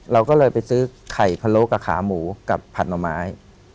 เราก็เลยไปซื้อไข่พะโล้กับขาหมูกับผัดหน่อไม้